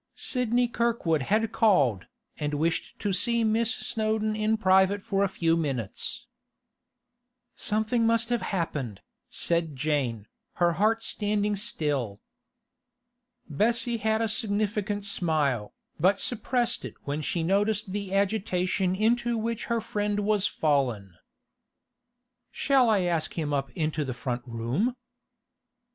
Sidney Kirkwood had called, and wished to see Miss Snowdon in private for a few minutes. 'Something must have happened,' said Jane, her heart standing still. Bessie had a significant smile, but suppressed it when she noticed the agitation into which her friend was fallen. 'Shall I ask him up into the front room?